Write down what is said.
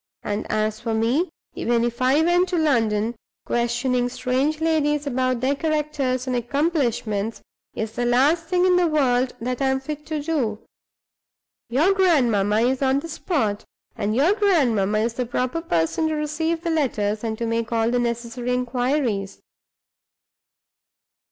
And as for me (even if I went to London), questioning strange ladies about their characters and accomplishments is the last thing in the world that I am fit to do. Your grandmamma is on the spot; and your grandmamma is the proper person to receive the letters, and to make all the necessary inquires."